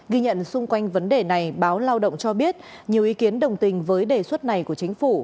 ghi nhận xung quanh vấn đề này báo lao động cho biết nhiều ý kiến đồng tình với đề xuất này của chính phủ